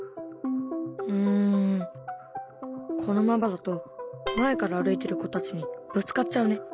うんこのままだと前から歩いてる子たちにぶつかっちゃうね。